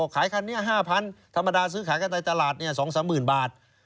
ขายคันนี้๕๐๐๐ธรรมดาซื้อขายกันในตลาดเนี่ย๒๓หมื่นบาท